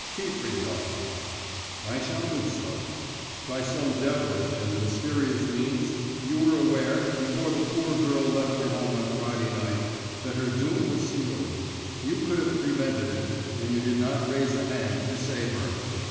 Keep resolved." "I shall do so. By some devilish and mysterious means you were aware, before the poor girl left her home on Friday night, that her doom was sealed. You could have prevented it, and you did not raise a hand to save her.